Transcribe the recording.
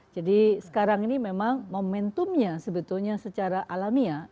jadi sekarang ini memang momentumnya sebetulnya secara alamiah